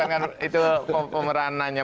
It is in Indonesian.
karena itu pemeranannya